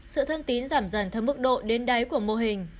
sự thân tín giảm dần theo mức độ đến đáy của mô hình